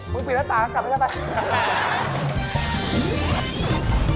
มึงปิดแล้วตากลับได้ไหม